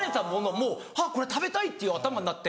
もうあっこれ食べたいっていう頭になって。